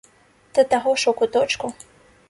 Да таго ж у куточку.